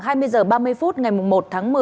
hai mươi h ba mươi phút ngày một tháng một mươi